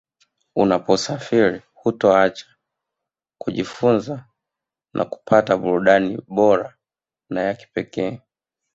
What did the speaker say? Unaposafiri hutaacha kujifunza na kupata burudani bora na ya kipekee